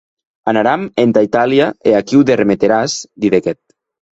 Anaram entà Italia e aquiu de remeteràs, didec eth.